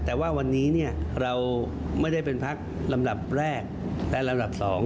แต่ว่าวันนี้เราไม่ได้เป็นพักลำดับแรกและลำดับ๒